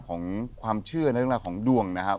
ของความเชื่อในเรื่องราวของดวงนะครับ